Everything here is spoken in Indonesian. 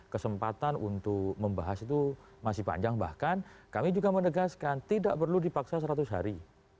kesempatan untuk membahas itu masih panjang bahkan kami juga menegaskan tidak perlu dipaksa seratus hari